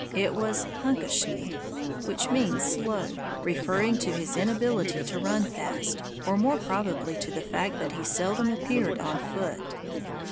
It was "Hunkeshnee", which means "Slow", referring to his inability to run fast, or more probably to the fact that he seldom appeared on foot.